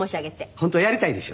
本当はやりたいでしょ？